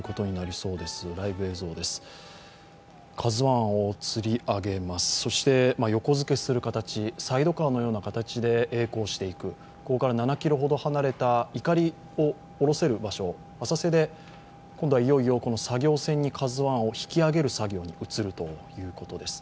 そして、横付けする形サイドカーのような形でえい航していく、ここから７ｋｍほど離れた、いかりを下ろせる場所浅瀬で今度はいよいよ作業船に「ＫＡＺＵⅠ」を引き揚げる作業に移るということです。